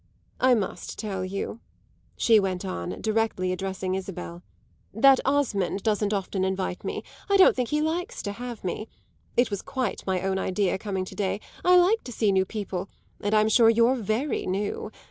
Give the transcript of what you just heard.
I must tell you," she went on, directly addressing Isabel, "that Osmond doesn't often invite me; I don't think he likes to have me. It was quite my own idea, coming to day. I like to see new people, and I'm sure you're very new.